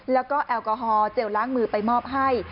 แล้วก็แอลกอฮอลเจลล้างมือไปมอบให้